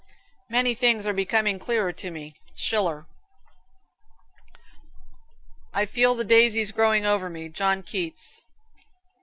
"Many things are becoming clearer to me." Schiller. "I feel the daisies growing over me." John Keats.